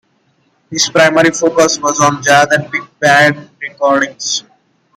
His primary focus was on jazz and big band recordings.